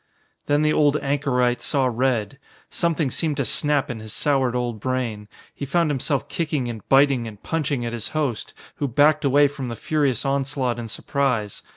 Then the old anchorite saw red. Something seemed to snap in his soured old brain. He found himself kicking and biting and punching at his host, who backed away from the furious onslaught in surprise.